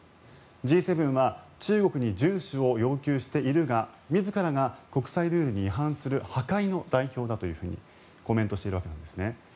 Ｇ７は中国に順守を要求しているが自らが、国際ルールに違反する破壊の代表だというふうにコメントしているわけなんですね。